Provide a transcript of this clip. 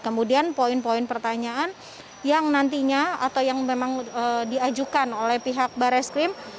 kemudian poin poin pertanyaan yang nantinya atau yang memang diajukan oleh pihak barreskrim